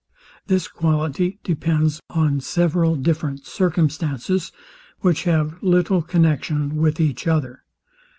This quality depends on several different circumstances, which have little connexion with each other.